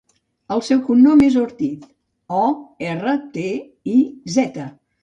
El seu cognom és Ortiz: o, erra, te, i, zeta.